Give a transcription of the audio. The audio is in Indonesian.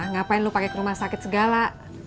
ngapain lu pake ke rumah sakit segala